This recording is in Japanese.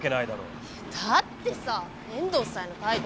だってさ遠藤さんへの態度。